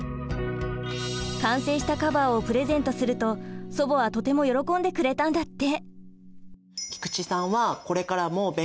完成したカバーをプレゼントすると祖母はとても喜んでくれたんだって。